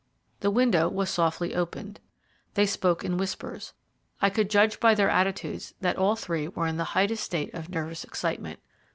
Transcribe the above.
The window was softly opened. They spoke in whispers. I could judge by their attitudes that all three were in the highest state of nervous excitement.